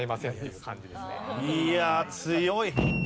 いや強い。